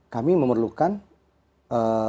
kami memerlukan eee